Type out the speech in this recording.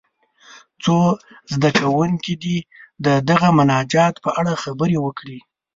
څو زده کوونکي دې د دغه مناجات په اړه خبرې وکړي.